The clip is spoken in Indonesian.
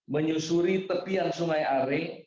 menyusuri tepian sungai are